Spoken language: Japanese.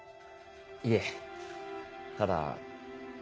いえただ。